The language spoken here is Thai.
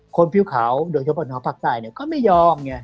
คนผิวขาวโดยเฉพาะน้ำภาคใต้ก็ไม่ยอม